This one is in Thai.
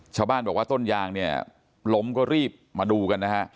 ชาวบ้านบอกว่าต้นยางเนี่ยล้มก็รีบมาดูกันนะฮะ